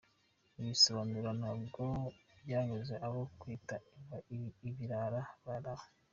Ibi bisobanuro ntabwo byanyuze abo wakwita ibirara bari aho.